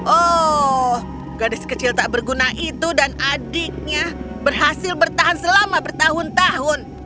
oh gadis kecil tak berguna itu dan adiknya berhasil bertahan selama bertahun tahun